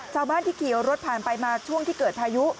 ชาวบ้านที่ขี่รถผ่านไปมาช่วงที่เกิดพายุ